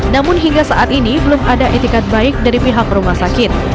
namun hingga saat ini belum ada etikat baik dari pihak rumah sakit